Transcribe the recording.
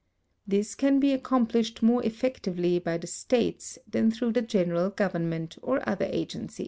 This can be accomplished more effectively by the states than through the general government or other agencies.